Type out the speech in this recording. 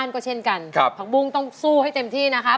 ผักบุ้งต้องสู้ให้เต็มที่นะครับ